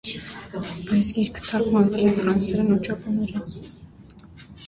Այս գիրքը թարգմանվել է ֆրանսերեն և ճապոներեն։